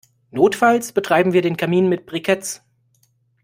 Notfalls betreiben wir den Kamin mit Briketts.